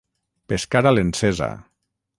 Pescar a l'encesa.